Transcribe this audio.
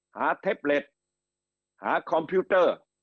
เท็บเล็ตหาคอมพิวเตอร์